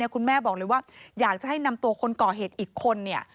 คุณแม่บอกเลยว่าอยากจะให้นำตัวคนก่อเหตุอีกคนเนี่ย